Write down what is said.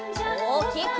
おおきく！